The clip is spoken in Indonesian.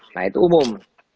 nah itu umum